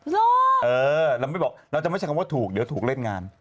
เออเราไม่บอกเราจะไม่ใช่คำว่าถูกเดี๋ยวถูกเล่นงาน